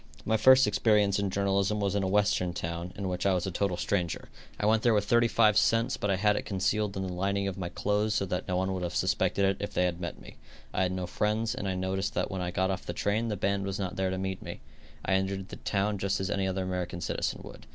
My first experience in journalism was in a Western town, in which I was a total stranger. I went there with thirty five cents, but I had it concealed in the lining of my clothes so that no one would have suspected it if they had met me. I had no friends, and I noticed that when I got off the train the band was not there to meet me. I entered the town just as any other American citizen would.